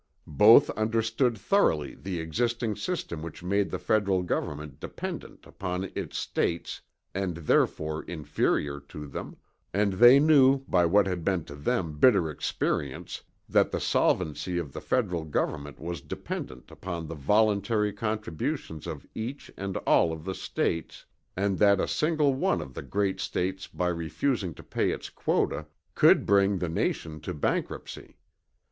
Both understood thoroughly the existing system which made the Federal government dependent upon its States and therefore inferior to them; and they knew by what had been to them bitter experience that the solvency of the Federal government was dependent upon the voluntary contributions of each and all of the States, and that a single one of the great States by refusing to pay its quota could bring the nation to bankruptcy.